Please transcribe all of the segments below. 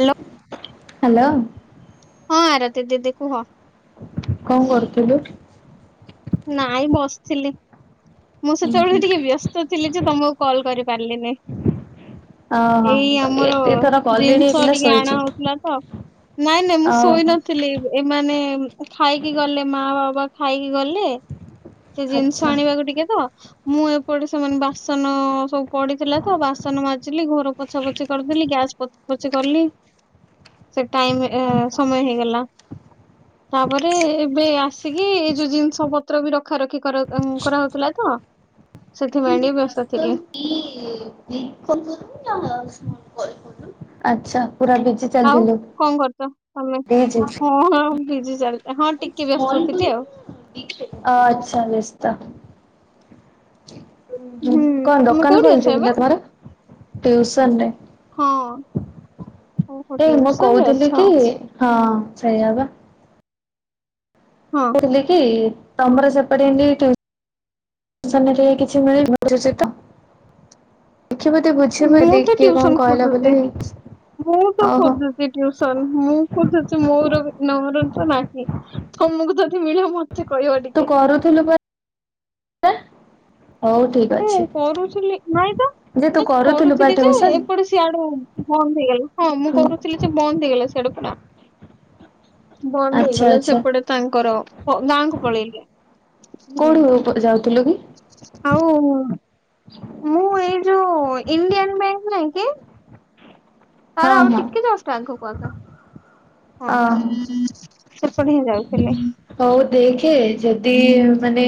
Hello hello. ହଁ ଆରତି ଦିଦି କୁହ। କଣ କରୁଥିଲୁ? ନାଇଁ ବସିଥିଲି। ମୁଁ ସେତେବେଳେ ଟିକେ ବ୍ୟସ୍ତ ଥିଲି ଯେ ତମକୁ କଲ କରିପାରିଲିନି। ଓହୋ ଏଇ ମୁଁ କହିଲି ଆମର ଏତେ ଥର କଲିଣି ଏ ଜିନିଷ ପିଲା ଟିକେ ଆଣା ଶୋଇଛି। ହଉଥିଲା ତ। ନାଇଁ ନାଇଁ ମୁଁ ଓହୋ ଶୋଇ ନଥିଲି। ଏ ଏମାନେ ଖାଇକି ଗଲେ ମା ବାବା ଖାଇକି ଗଲେ। ସେ ଜିନିଷ ଆଚ୍ଛା ଆଣିବାକୁ ଟିକେ ତ। ମୁଁ ଏପଟେ ସେମାନେ ବାସନ ସବୁ ପଡ଼ିଥିଲା ତ ବାସନ ମାଜିଲି ଘର ପୋଛା ପୋଛି କରିଥିଲି। ଗ୍ୟାସ ପ ପୋଛି କଲି। [inaudible] ସେ ଟାଇମ୍ ସମୟ ହେଇଗଲା। ତାପରେ ଏବେ ଆସିକି ଏ ଯୋଉ ଜିନିଷ ପତ୍ର ବି ରଖା ରଖି କରାହଉଥିଲା। ତ ସେଥି ପାଇଁ ଟିକେ ବ୍ୟସ୍ତ ଥିଲି। କି [unintelligible] [inaudible] ଆଛା ପୁରା ବି ଆଉ କଣ କରଛ ତମେ? ହଁ ବିଜି ଚାଲିଛ ହଁ। ଟିକେ ବ୍ୟସ୍ତ ଥିଲି ଆଉ [unintelligible] ଆଚ୍ଛା ବ୍ୟସ୍ତ। ହୁଁ କଣ ତମେ ଦୋକାନ କୋଉଠି ଅଛ ଖୋଲିଛି ଏବେ? ତମର? ଟିଉସନ। ହଁ ଓହୋ ଏଇ ମୁଁ ଟିଉସନ ରେ କହୁଥିଲି ଅଛ କି ହଁ ସେଇ ହବା। ହଁ [unintelligible] କି ତମର ସେପଟେ--ଟି--ଉସନ୍ [unintelligible] ମୁଁ ତ କିଏ କଣ ଟ୍ୟୁସନ କହିଲା ଖୋଜୁଛି, ବୋଲି ମୁଁ ତ ଓହୋ ଖୋଜୁଛି। [unintelligible] ମୁଁ ଛି [inaudible] ମୋର ନର ତ ନାହିଁ। ତମକୁ ଯଦି ମିଳିବ ମୋତେ କହିବ ଟିକେ। ତୁ କରୁଥିଲୁ ହଉ ଠିକ ମୁଁ ଅଛି କରୁଥିଲି ନାଇଁ ତ ଯେ ତୁ ନାଇ କରୁଥିଲୁ ବା କରୁଥିଲି ଯେ ଟିଉସନ? ଏପଟେ ସେ ସେଆଡୁ ବନ୍ଦ ହେଇଗଲା ହଁ ମୁଁ କରୁଥିଲି ଯେ ବନ୍ଦ ହେଇଗଲା ସେଆଡୁ ପୁରା। ବନ୍ଦ ଆଚ୍ଛା ହେଇଗଲା ଆଚ୍ଛା ସେପଟେ ତାଙ୍କର ଗାଁକୁ ପଳେଇଲେ ହୁଁ। କୁଆଡେ ଯାଉଥିଲେ କି? ଆଉ ମୁଁ ଏଇ ଯୋଉ ଇଣ୍ଡିଆନ ବ୍ୟାଙ୍କ ନାଇଁ କି ହଁ ତାର ଆଉ ହଁ ଟିକେ ଜଷ୍ଟ ଆଗକୁ ଆସ। ଅ ସେପଟେ ହିଁ ଯାଉଥିଲେ। ହଉ ଦେଖେ ଯଦି ମାନେ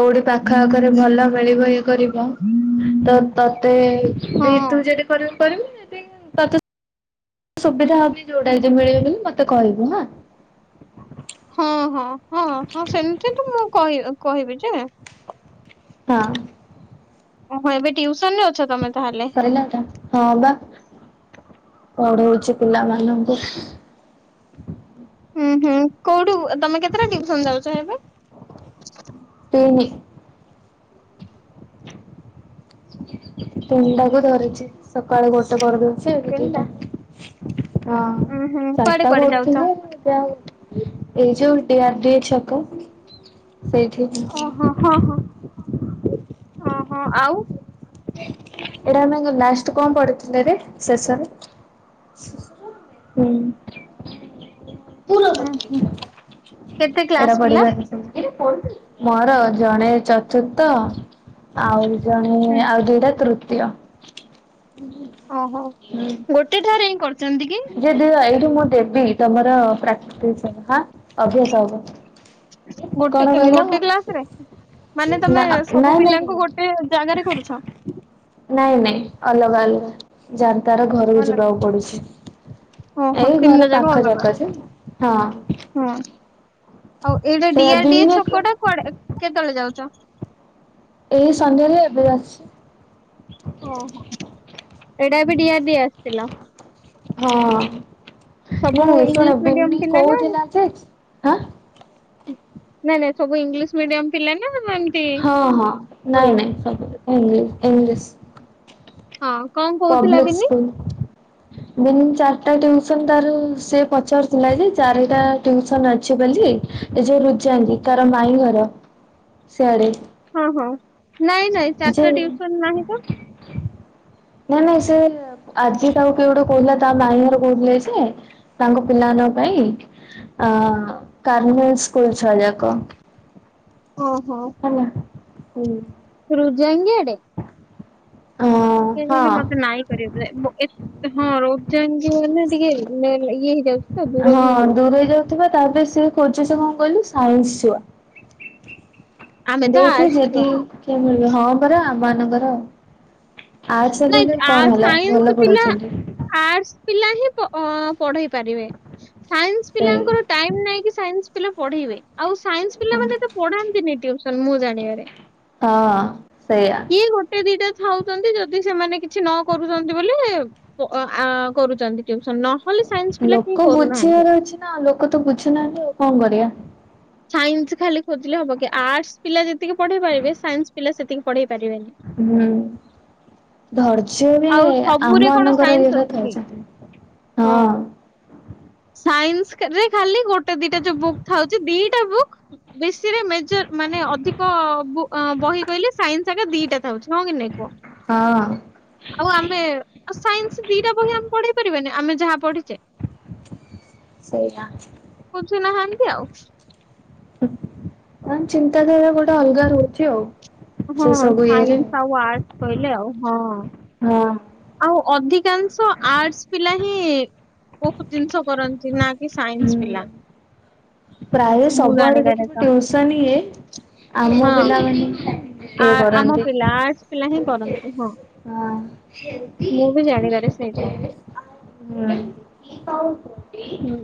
କୋଉଠି ପାଖ ଆଖରେ ଭଲ ହଁ ମିଳିବ କରିବ, ତ ତତେ ଦେଇ ତୁ ଯଦି କରିବୁ କରିବୁ ଯଦି ତତେ ସୁବିଧା ହବ ବି ଯୋଉଟା, ସେଇଟା ମିଳିବନି ମତେ କହିବୁ ହାଁ। ହଁ- ହଁ- ହଁ -ହଁ ସେମିତି ତ ମୁଁ କହି କହିବି ଯେ ହଁ। ଓ ହୋ ଏବେ ଟ୍ୟୁସନ ରେ ଅଛ ତମେ ତାହେଲେ? ହଁ ବା ପଢଉଛି ପିଲାମାନଙ୍କୁ। ହୁଁ- ହୁଁ କୋଉଠୁ ତମେ କେତେଟା ଟିଉସନ ଯାଉଛ ଏବେ? ତିନି। ତିନିଟାକୁ ଧରିଛି। ସକାଳେ ଗୋଟେ କରିଦଉଛି, ଏବେ ତିନିଟା ଦିଟା। ହଁ ଉଁ ହୁଁ କୁଆଡେ ଚାରିଟା କୁଆଡେ ଯାଉଛ? କରୁଥିଲି, ଏବେ ଆଉ ଏଇ ଯୋଉ ଡି ଆର ଡି ଛକ ସେଇଠି। ଓ ଏଇଟା ହୋ ହଁ- ହଁ- ହଁ- ହଁ ଆଉ ଏଇଟା ଆମେ ଲାଷ୍ଟ କଣ ପଡିଥିଲେରେ ଶେଷରେ? ହୁଁ। ହୁଁ- ହୁଁ। କେତେ ଏଇଟା କ୍ଲାସ ପିଲା? ପଢିବାନି ସବୁ, ମୋର ଜଣେ ଚତୁର୍ଥ ଆଉ ଜଣେ ଆଉ ଦିଟା ତୃତୀୟ। ଓ ହୋ ଗୋଟେ ଠାରେ ହିଁ କରିଛନ୍ତି କି? ଯଦି ଏଇଠୁ ମୁଁ ଦେବି ତମର ପ୍ରାଟିସ୍ ହବ ଅଭ୍ୟାସ ହବ। ଗୋଟେ କଣ କହିଲ ଗୋଟେ କ୍ଲାସ୍ ରେ? ମାନେ ନା ତମେ ସବୁ ନାଇଁ ନାଇଁ ପିଲାଙ୍କୁ ଗୋଟେ ଜାଗାରେ କରୁଛ? ନାଇଁ ନାଇଁ ଅଲଗା ଅଲଗା, ଜାଗାର ଘରକୁ ଯିବାକୁ ପଡୁଛି। ଓ ହୋ ଏଇ ଘର ତିନିଟା ଜାଗା ପାଖ ଯାକ ଅଲଗା। ଯେ ହଁ ହଁ ଆଉ ଏଇଟା ଡି ସେଇଆ ଆର ଡିଏ ବିନି ଛକଟା, ଏଇ କୁଆଡେ କେତେବେଳେ ଯାଉଛ? ଏଇ ସନ୍ଧ୍ୟାରେ ଏବେ ଅଛି। ଓ ହୋ ଏଇଟା ବି ଡିଏ ଆର ଡି ଆସିଥିଲ? ହଁ ସବୁ ନାଇଁ ଇଂଲିଶ ଶୁଣେ ମିଡିୟମ ବିିନି ପିଲା ନା କହୁଥିଲା ଯେ, ଆଁ ନାଇଁ ନାଇଁ ସବୁ ଇଂଲିଶ ମିଡିୟମ ପିଲା ନା ଏମିତି ହଁ ହଁ ନାଇଁ ଓଡ଼ିଆ? ନାଇଁ ସବୁ ଇଂଲିଶ ଇଂଲିଶ। ହଁ କଣ କହୁଥିଲା ବିିନି? ହ ମିନି ଚାରିଟା ଟିଉସନ ତାର ସେ ପଚାରୁଥିଲା ଯେ, ଚାରିଟା ଟିଉସନ ଅଛି ବୋଲି। ଏ ଯୋଉ ରୁଚାନ୍ତି ତାର ମାଇଁ ଘର ସିଆଡେ। ହଁ- ହଁ ନାଇଁ ନାଇଁ ଯେ ଚାରିଟା ଟ୍ୟୁସନ୍ ନାହିଁ ତ। ନାଇଁ ନାଇଁ ସେ ଆଜି ତାକୁ କିଏ ଗୋଟେ କହୁଥିଲା, ତା ନାଇଁ ଘର କହୁଥିଲେ ଯେ ତାଙ୍କ ପିଲାମାନଙ୍କ ପାଇଁ, ଅ କାର୍ନଲ ସ୍କୁଲ ଛୁଆଯାକ ଓ ହୋ। ହେଲା ହୁଁ। [unintelligible] ଜେଡ୍, ହଁ କେଜାଣି ମତେ ମାଇ [unintelligible] ଏ ହଁ ରୋପ୍ ଯାଏଁ ଯିଏ ହେଲେ ଟିକେ ଇଏ ହେଲେ ଇଏ ହେଇଯାଉଛି। ତ ଦୂର ହଁ, ବି ହେଇଯାଉଛି। ଦୂରେଇ ଯାଉଥିବା, ତାପରେ ସିଏ ଖୋଜୁଛି କଣ କହିଲୁ? ସାଇନ୍ସ ଛୁଆ। ଆମେ ତ ଦେଖେ ଆର୍ଟସ ଛୁଆ ଯଦି କିଏ ମିଳିବ। ହଁ, ପରା ଆମ ମାନଙ୍କର ଆର୍ଟସ୍ ନେଲେ କଣ ନାଇଁ ହେଲା? ଭଲ ସାଇନ୍ସ ପିଲା ପଢଉଛନ୍ତି। ଆର୍ଟସ ପିଲା ହିଁ ପ-ପଢେଇ ପାରିବେ। ସାଇନ୍ସ ସେଇ ପିଲାଙ୍କର ଟାଇମ୍ ନାଇଁକି ସାଇନ୍ସ ପିଲା ପଢ଼େଇବେ। ଆଉ ସାଇନ୍ସ ପିଲା ମାନେ ତ ହଁ ପଢ଼ାନ୍ତିନି ଟ୍ୟୁସନ୍ ମୁଁ ଜାଣିବାରେ। ହଁ, ସେୟା। କିଏ ଗୋଟେ ଦିଟା ଥାଉଛନ୍ତି ଯେତ୍ ଯଦି ସେମାନେ କିଛି ନ କରୁଛନ୍ତି ବୋଲେ, ପ ଆ କରୁଛନ୍ତି ଟ୍ୟୁସନ୍ ନ ଲୋକ ବୁଝିବାର ଅଛି ନା। ଲୋକ ତ ବୁଝୁନାହାଁନ୍ତି, ଆଉ କଣ କରିଆ? ସାଇନ୍ସ ଖାଲି ଖୋଜିଲେ ହବ କି? ଆର୍ଟସ ପିଲା ଯେତିକି ପଢେଇ ପାରିବେ, ସାଇନ୍ସ ପିଲା ସେତିକି ପଢେଇ ପାରିବେନି। ହୁଁ। ଧୈର୍ଯ୍ୟ ବି ଆଉ ଆମ ସବୁରେ କଣ ମାନଙ୍କର ସାଇନ୍ସ ଇଏରେ ଅଛି ଥାଏ କି? ଚାକିରି ହଁ। ସାଇନ୍ସକରେ ଖାଲି ଗୋଟେ ଦିଟା ଯୋଉ ବୁକ୍ ଥାଉଛି। ଦିଟା ବୁକ୍ ବେଶୀରେ ମେଜର ମାନେ ଅଧିକ-ଅ ବୁ ଅଁ ବହି କହିଲେ, ସାଇନ୍ସ ଆାଗା ଦିଟା ଥାଉଛି। ହଁ କି ନାଇଁ କୁହ? ହଁ। ଆଉ ଆମେ ସାଇନ୍ସ ଦିଟା ବହି ଆମେ ପଢେଇ ପାରିବାନି? ଆମେ ଯାହା ପଢିଛେ। ସେଇଆ। ବୁଝୁ ନାହାଁନ୍ତି ଆଉ। ମାନ୍ ଚିନ୍ତାଧାରା ଗୋଡା ଅଲଗା ରହୁଛି ଆଉ। ହଁ, ସେ ସବୁ ଇଏରେ ସାଇନ୍ସ ଆଉ ଆର୍ଟସ୍ କହିଲେ ଆଉ ହଁ। ହଁ। ଆଉ ଅଧିକାଂଶ ଆର୍ଟସ ପିଲା ହିଁ ବହୁତ ଜିନିଷ କରନ୍ତି ନା କି ସାଇନ୍ସ ପିଲା। ହୁଁ ପ୍ରାୟ ମୁଁ ସବୁଆଡେ ଜାଣିବାରେ ଦେଖିବୁ ତ ଟ୍ୟୁସନ୍ ଇଏ ଆମ ହଁ ପିଲାମାନେ ଆ ଇଏ ଆମ କରନ୍ତି। ପିଲା ଆର୍ଟସ ପିଲା ହିଁ କରନ୍ତି ହଁ। ହଁ। ମୁଁ ବି ଜାଣିିବାରେ ସେଇଟା। ହୁଁ। ହୁଁ।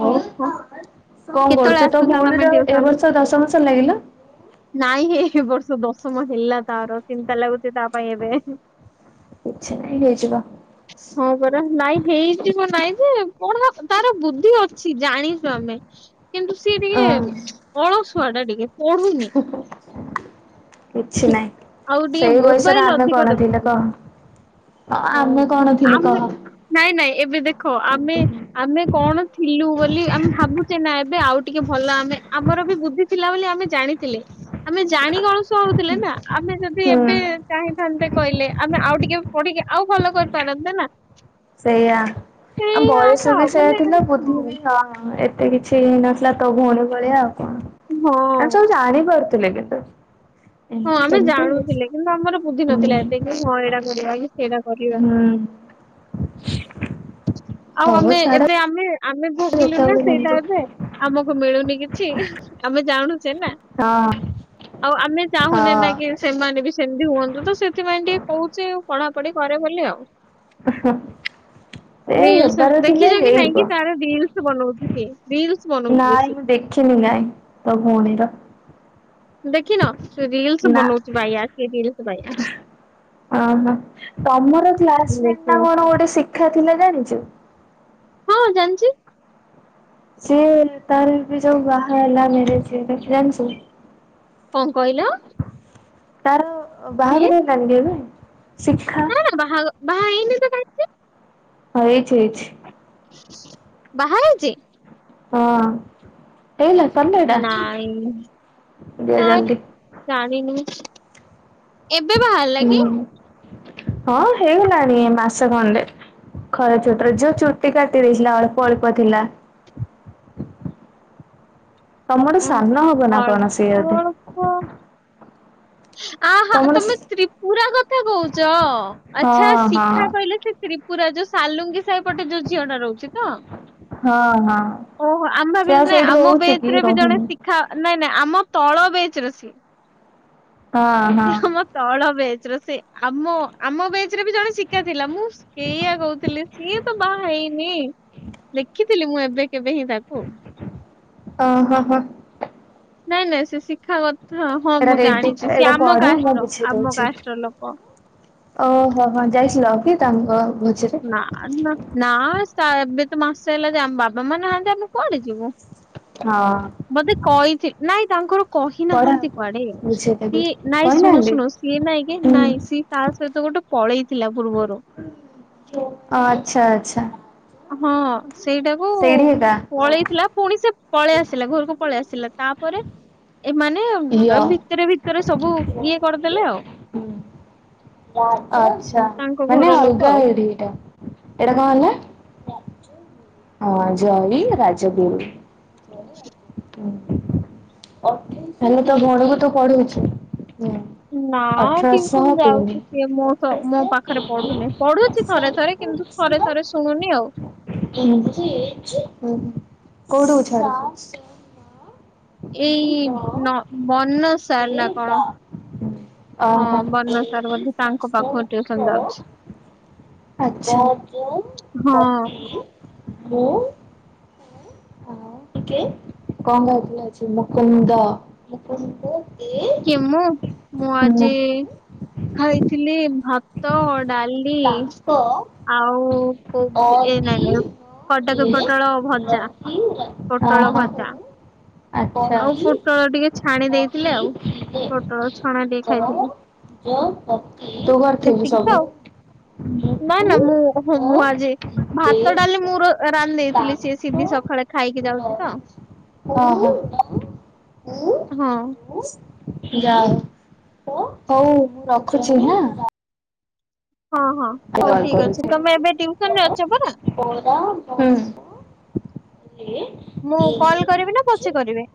ହଉ ଓହୋ କଣ କେତେବେଳେ କରୁଛୁ? ତୋ ଆସୁଛ ତମେ ଭଉଣୀର ଏ ଟିଉସନ? ବର୍ଷ ଦଶମ ସରିଲା କିଲୋ? ନାଇଁ, ଏ ବର୍ଷ ଦଶମ ହେଲା ତାର ଚିନ୍ତା ଲାଗୁଛି ତା ପାଇଁ ଏବେ। କିଛି ନାହିଁ ହେଇଯିବ। ହଁ, ପରା। ନାଇଁ ହେଇଯିବ ନାଇଁ ଯେ, ପଢା ତାର ବୁଦ୍ଧି ଅଛି। ଜାଣି ଆମେ, କିନ୍ତୁ ସିଏ ହଁ ଟିକେ ଅଳସୁଆ ଟା ଟିକେ ପଢୁନି। କିଛି ହୁଁ, ନାହିଁ। ଆଉ ଟିକେ ସେଇ ବୟସରେ ମୋବାଇଲ୍ ଆମେ ଅଧିକ କଣ ଥିଲେ ଦେଖୁଛି। କହ? ହଁ ହଉଁ ଆମେ କଣ ଥିଲେ ଆମେ କହ? ନାଇଁ, ନାଇଁ ଏବେ ଦେଖ, ଆମେ ଆମେ କଣ ଥିଲୁ ବୋଲି ଆମେ ଭାବୁଛେ ନା ଏବେ? ଆଉ ଟିକେ ଭଲ ଆମେ, ଆମର ବି ବୁଦ୍ଧି ଥିଲା ବୋଲି ଆମେ ଜାଣିଥିଲେ, ଆମେ ଜାଣି କି ଅଳସୁଆ ହଉ ଥିଲେ ନା ଆମେ ଯେନ୍ ହୁଁ। ଚାହିଁଥାନ୍ତେ କହିଲେ, ଆମେ ଆଉ ଟିକେ ପଢିକି ଆଉ ଭଲ କରିପାରନ୍ତେ ନା। ସେୟା। ଆମ୍ ସେଇଆ ବୟସ ତ ବି ସେଇୟା ମାନେ ଥିଲା ବୁଦ୍ଧିବି ହଁ, ଏତ୍ ଏତେ କିଛି ହେଇନଥିଲା ତୋ ଭଉଣୀ ଭଳିଆ ଆଉ କଣ? ଆମେ ହଁ ସବୁ ଜାଣିପାରୁ ଥିଲେ କେତେ? ହଁ ଆମେ ଜାଣୁଥିଲେ କିନ୍ତୁ ଆମର ବୁଦ୍ଧି ନଥିଲା ହୁଁ ଏତେ କି ହଁ ଏଇଡା କରିବା କି? ସେଇଟା କରିବା। ହୁଁ। ଆଉ ହଉ ଆମେ ଛାଡ ଏବେ ଆମେ ଆମେ ଭୋଗିଲୁ ନା ଯେତେବେଳେ ସେଇଟା ଯେମିତି ଏବେ ଆମକୁ ମିଳୁନି କିଛି। ଆମେ ଜାଣୁଛେ ନା ହଁ। ଆଉ ଆମେ ଚାହୁଁନେ ନା କି ହଁ ସେମାନେ ବି ସେମିତି ହୁଅନ୍ତୁ ତ ସେଥିପାଇଁ ଟିକେ କହୁଛି ପଢାପଢି କରେ ବୋଲି ଆଉ। ଅ ହ। ରିଲସ୍ ଦେଖିଛ କି ନାଇଁ କି ତାର ଡିଲସ୍ ବନଉଛି ସେ ଡିଲସ୍ ବ ନାଇଁ ମୁଁ ଦେଖିନି ନାଇଁ ତୋ ଭୋଉଣୀର। ଦେଖିନ ସେ ରିଲସ୍ ନା। ବନଉଚି ବାୟା ସେ ରିଲସ୍ ବାୟା। ଅହ ତମର କ୍ଲାସମେଟେ ନା ଦେଖିବ କଣ ଗୋଟେ ଶିକ୍ଷା ଥିଲା ଜାଣିଚୁ? ହଁ ଜାଣିଚି। ସିଏ ତାର ବି ଯୋଉ ବାହା ହେଲା ମେରେଜ୍ ହେଲାତୁ ଜାଣିଚୁ? କଣ କହିଲ? ତାର ସିଏ ବାହାଘର ହେଲାନିକି ଏବେ ଶିକ୍ଷା। ନା ବାହା ବାହା ହେଇନି ତ କାଇଁ? ହଁ ହେଇଚି ହେଇଚି। ବାହା ହେଇଛି? ହଁ ହେଇଲା ତଲେଡା ନାଇଁ ଦିଅ ନାଇଁ ଜଲଦି। ଜାଣିନି ଏବେ ବାହାରହେଲା ହୁଁ କି? ହଁ ହେଇଗଲାଣିି ମାସେ ଖଣ୍ଡେ। ଖରା ଛୋଟିରେ ଯୋଉ ଚୁଟି କାଟି ଦେଇଥିଲା ଅଳ୍ପ ଅଳ୍ପ ଥିଲା। ତମଟୁ ସାନ ହବ ନା କଣ ସିଏ ବୋଧେ। ହଁ। [inaudible] ଆ ହା ତମର ତମେ ତ୍ରିପୁରା କଥା କହୁଚ ହଁ ଆଚ୍ଛା ହଁ ଶିଖା କହିଲ ଟେ ତ୍ରିପୁରା ଯୋଉ ସାଲୁଙ୍ଗି ସାହି ପଟେ ଯୋଉ ଝିଅ ଟା ରହୁଛି ତ। ହଁ ହଁ। ଓହୋ ଆମ ସେ ବି ଆଉ ନାଇଁ ସେଇଠି ଆମ ରହୁଛି କି ବେଚ ରେ ବି ଜଣେ ରହୁନି। ଶିଖା ନାଇଁ ନାଇଁ ଆମ ତଳ ବେଚ ରେ ସିଏ। ହଁ ସେ ହଁ ଆମ ତଳ ବେଚର ସେ ଆମ ଆମ ବେଚରେ ବି ଜଣେ ଶିକା ଥିଲା ମୁଁ କେୟା କହୁଥିଲି। ସିଏ ତ ବାହା ହେଇନି ଦେଖିଥିଲି ମୁଁ ଏବେ କେବେ ହିଁ ତାକୁ। ଓ ହୋ ହ। ନାଇଁ ନାଇଁ ସେ ଶିଖା କଥା ହଁ ମୁଁ ରେଡି ଜାଣିଚି ସି ଏଇଟା ଆମ ପଢ ମୁଁ କାଷ୍ଟର ବୁଝେଇ ଆମ ଦଉଛି। କାଷ୍ଟର ଲୋକ। ଓହୋ ହଁ ଯାଇଥିଲ କି ତାଙ୍କ ଭୋଜିରେ? ନା ନା ନା ଏବେ ତ ମାସେ ହେଲା ଯେ ଆମ ବାବା ମା ନାହାନ୍ତି ଆମେ କୁଆଡେ ଯିବୁ। ହଁ। ବୋଧେ କହିଥି ନାଇଁ ତାଙ୍କର କହିନାହାନ୍ତି ପଢାକୁ କୁଆଡେ। ବୁଝେଇଦେବି ସିଏ ନାଇଁ ଶୁଣୁ କହିନାହାନ୍ତି? ଶୁଣୁ ସିଏ ନାଇଁ କି ଓ ନାଇଁ ସିଏ କା ସହିତ ଗୋଟେ ପଳେଇଥିଲା ପୂର୍ବରୁ। ଆଚ୍ଛା ଆଚ୍ଛା। ହଁ ସେଇଟାକୁ ସେଇଠି ଏକା ପଳେଇ ଥିଲା ପୁଣି ସେ ପଳେଇ ଆସିଲା ଘରକୁ ପଳେଇ ଆସିଲା ତାପରେ ଏମାନେ ୟ ପୁରା ଭିତରେ ଭିତରେ ସବୁ ଇଏ କରିଦେଲେ ଆଉ। ଆଛା ତାଙ୍କ ମାନେ ଘର ଲୋକ ଅଲଗା ଆଉ। ଇଏରେ ଏଇଟା। ଏଇଟା କଣ ହେଲା ଜୟି ରାଜଗୁରୁ। ଉଁ। ହେଲେ ତ ବଡକୁ ତ ପଢ଼ୌଚି, ହୁଁ। ନା ଟିଉସନ ଯାଉଚି ସିଏ ମୋ ମୋ ପାଖରେ ପଢୁନିଁ ପଢୁଚି ଥରେ ଥରେ କିନ୍ତୁ ଥରେ ଥରେ ଶୁଣୁନି ଆଉ। କୋଉଠୁ [unintelligible] ଏଇ ନ ମନ ସାର ନା କଣ। ହଁ ଓହୋ ବନସାର ବୋଧେ ତାଙ୍କ ପାଖୁ ଟିଉସନ ଯାଉଛି। ଆଛା, ହଁ [unintelligible] କଁ ଖାଇଥିଲେ ଆଜି? ମୁକୁନ୍ଦ। କିଏ ମୁ ମୁଁ ଆଜି ଖାଇଥିଲି ଭା ତ ଡାଲି ଆଉ କୋଉ ଏ ନାଇଁ ନାଇଁ କଟକୀ ପୋଟଳ ଭଜା ପୋଟଳ ଭଜା। ଆଛା। ଆଉ ପୋଟଳ ଟିକେ ଛାଣି ଦେଇଥିଲେ ଆଉ ପୋଟଳ ଛଣା ଟିକେ ଖାଇଥିଲି ତୁ କରିଥିଲୁ ଏତିକି ତ ସବୁ? ନା ନା ମୁଁ ଓହୋ ମୁଁ ଆଜି ଭାତ ଡାଲି ମୁଁର ରାନ୍ଧ ଦେଇଥିଲି ସିଏ ସିଧି ସକାଳେ ଖାଇକି ଯାଉଛି ତ। ଓହୋ। ହଁ। ହଉ ମୁଁ ରଖୁଛି ହାଁ। ହଁ ହଁ ହଉ କଲ୍ ଠିକ କରୁଛି ଅଛି ତମେ ଏବେ ଟିଉସନ ରେ ଅଛ ପରା। ହୁଁ। ମୁଁ କଲ୍ କରିବି ନା ପଛେ କରିବି?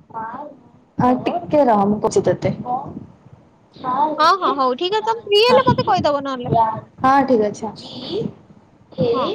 ଆଉ ଟିକେ ରହ ମୁଁ କର୍ଚି ତତେ। ହଁ ହଁ ହଉ [unintelligible] ଠିକ ଅଛି ତମେ ଫ୍ରି ହେଲେ ମତେ ହଁ କହିଦବ ନହେଲେ ଠିକ ଅଛି ହଁ।